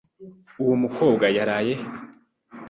Uwo mukobwa yaraye he?